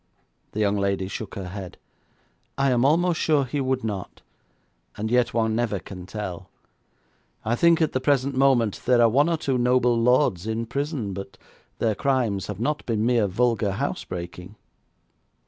The young lady shook her head. 'I am almost sure he would not, and yet one never can tell. I think at the present moment there are one or two noble lords in prison, but their crimes have not been mere vulgar housebreaking.'